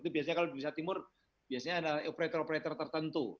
itu biasanya kalau di indonesia timur biasanya ada operator operator tertentu